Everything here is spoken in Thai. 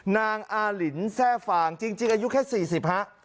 นางอาลินแทร่ฟางจริงอายุแค่๔๐ฮะ